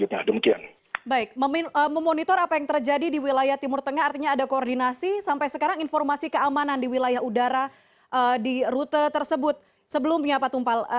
baik memonitor apa yang terjadi di wilayah timur tengah artinya ada koordinasi sampai sekarang informasi keamanan di wilayah udara di rute tersebut sebelumnya pak tumpal